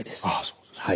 そうですか。